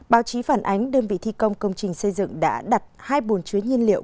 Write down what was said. báo chí phản ánh đơn vị thi công công trình xây dựng đã đặt hai bồn chứa nhiên liệu